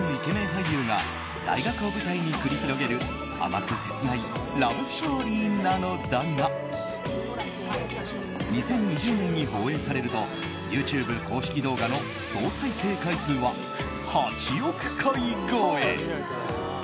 俳優が大学を舞台に繰り広げる甘く切ないラブストーリーなのだが２０２０年に放映されるとＹｏｕＴｕｂｅ公式動画の総再生回数は８億回超え。